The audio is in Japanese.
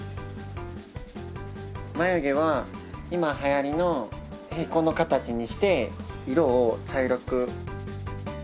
眉毛は今はやりの平行の形にして色を茶色く。